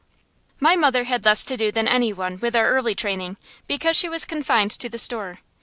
My mother had less to do than any one with our early training, because she was confined to the store.